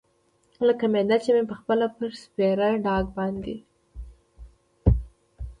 لکه معده چې مې پخپله پر سپېره ډاګ باندې.